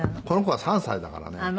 この子は３歳だからね。